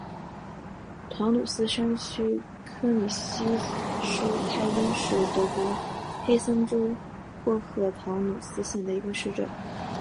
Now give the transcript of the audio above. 陶努斯山区柯尼希施泰因是德国黑森州霍赫陶努斯县的一个市镇。